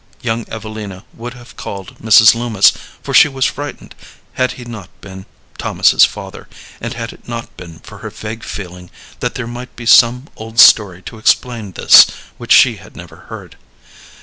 Young Evelina would have called Mrs. Loomis, for she was frightened, had he not been Thomas's father, and had it not been for her vague feeling that there might be some old story to explain this which she had never heard.